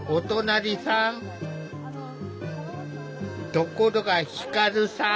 ところが輝さん。